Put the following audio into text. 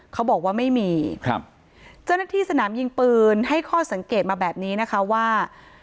เขาบอกว่าไม่มีครับเจ้าหน้าที่สนามยิงปืนให้ข้อสังเกตมาแบบนี้นะคะว่า